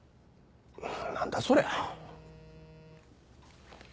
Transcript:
何だそりゃ。